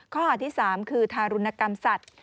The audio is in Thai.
ข้อหาที่๓คือทารุณกรรมสัตว์